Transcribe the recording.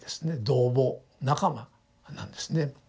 「同朋」仲間なんですね。